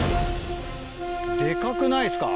デカくないですか？